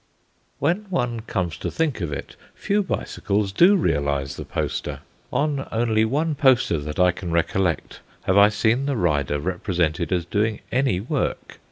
When one comes to think of it, few bicycles do realise the poster. On only one poster that I can recollect have I seen the rider represented as doing any work.